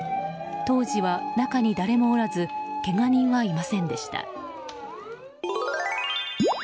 当時は中に誰もおらずけが人はいませんでした。